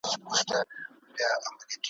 ما شبقدر دی لیدلی منل کیږي مي خواستونه `